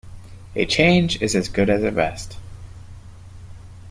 A change is as good as a rest.